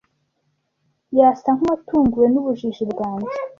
Yasa nkuwatunguwe nubujiji bwanjye.